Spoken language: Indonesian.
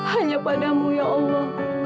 hanya padamu ya allah